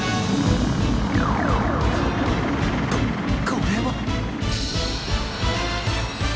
ここれは！？